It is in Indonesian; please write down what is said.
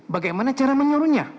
bagaimana cara menyuruhnya